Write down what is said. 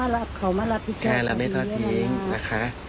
แล้วเราไม่ทอดทิ้งนะคะ